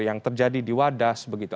yang terjadi di wadas begitu